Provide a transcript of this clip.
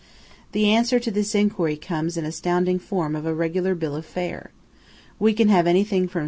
The answer to this enquiry comes in the astounding form of a regular bill of fare. We can have anything from.